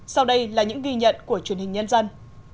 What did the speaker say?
sau đây là những ghi nhận của truyền hình nhân dân